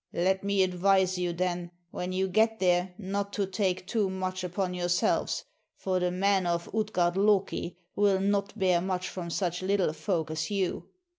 Let me advise you then when you get there not to take too much upon yourselves, for the men of Utgard Loki will not bear much from such little folk as you.